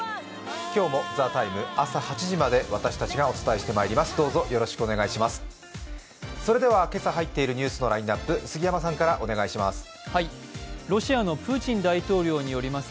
今日も「ＴＨＥＴＩＭＥ，」朝８時まで私たちがお伝えします。